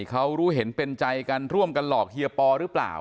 เขารู้เห็นเป็นใจกันร่วมกันหลอกเฮียปอหรือเปล่า